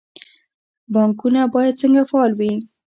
بانکونه باید څنګه فعال وي؟